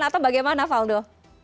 atau bagaimana faldo